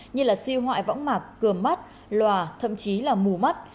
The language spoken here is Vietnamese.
như là suy hoại võng mạc cường mắt lòa thậm chí là mù mắt